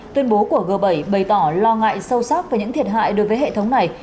tuyên bố của g bảy bày tỏ lo ngại sâu sắc về những thiệt hại đối với hệ thống này